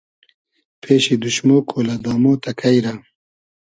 پېشی دوشمۉ کۉلۂ دامۉ تئکݷ رۂ